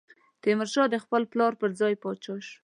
تیمورشاه د خپل پلار پر ځای پاچا شو.